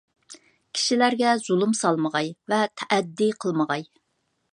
كىشىلەرگە زۇلۇم سالمىغاي ۋە تەئەددى قىلمىغاي.